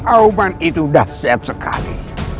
aubang itu sudah sehat sekali